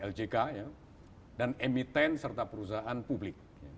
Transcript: ljk dan emiten serta perusahaan publik